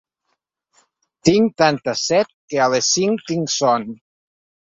Tinc tanta set que a les cinc tinc son